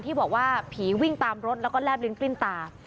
ที่บอกว่าผีวิ่งตามรถแล้วก็แลบลิ้นกลิ้นตา